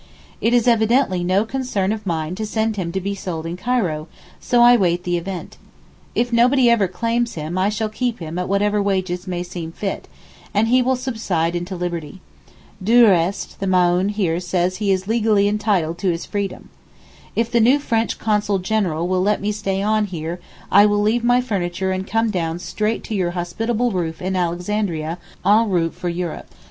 It is evidently no concern of mine to send him to be sold in Cairo, so I wait the event. If nobody ever claims him I shall keep him at whatever wages may seem fit, and he will subside into liberty. Du reste, the Maōhn here says he is legally entitled to his freedom. If the new French Consul General will let me stay on here I will leave my furniture and come down straight to your hospitable roof in Alexandria en route for Europe.